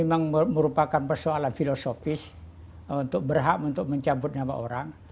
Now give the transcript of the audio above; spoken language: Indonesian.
memang merupakan persoalan filosofis untuk berhak untuk mencabut nyawa orang